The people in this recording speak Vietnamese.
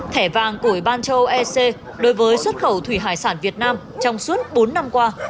thẻ vàng của ủy ban châu âu ec đối với xuất khẩu thủy hải sản việt nam trong suốt bốn năm qua